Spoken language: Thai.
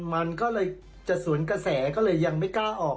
มันก็เลยจะสวนกระแสก็เลยยังไม่กล้าออก